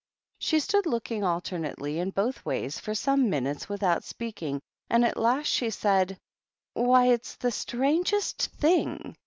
She stood looking alter* nately in both ways for some minutes without speaking, and at last she said, "Why, it's the strangest thing!